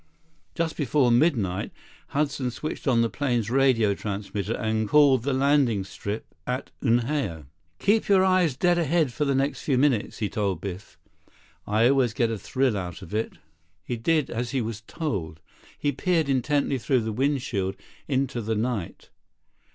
Just before midnight, Hudson switched on the plane's radio transmitter and called the landing strip at Unhao. "Keep your eyes dead ahead for the next few minutes," he told Biff. "I always get a thrill out of it." 41 Biff did as he was told. He peered intently through the windshield into the night.